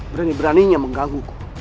berani beraninya mengganggu ku